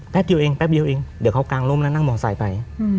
แป๊บเดี๋ยวเองเดี๋ยวเขากางร่มแล้วนั่งบ่อสายไป